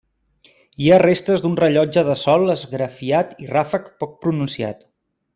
Hi ha restes d'un rellotge de sol esgrafiat i ràfec poc pronunciat.